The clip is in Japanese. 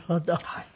はい。